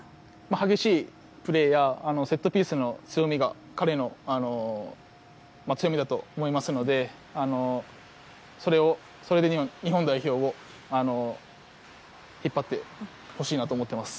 激しいプレーやセットピースの強みが彼の強みだと思うのでそれで日本代表を引っ張ってほしいなと思っています。